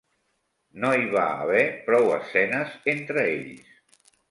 No hi va haver prou escenes entre ells.